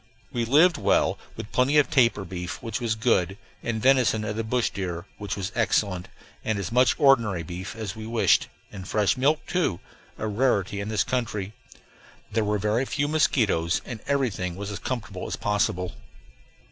We lived well, with plenty of tapir beef, which was good, and venison of the bush deer, which was excellent; and as much ordinary beef as we wished, and fresh milk, too a rarity in this country. There were very few mosquitoes, and everything was as comfortable as possible.